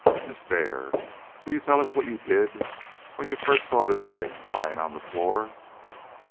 "Miss Dare, will you tell us what you did when you first saw this ring lying on the floor?"